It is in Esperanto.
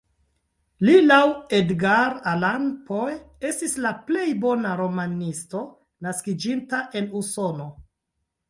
Li laŭ Edgar Allan Poe estis la plej bona romanisto naskiĝinta en Usono.